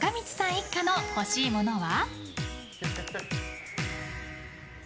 一家の欲しいものは？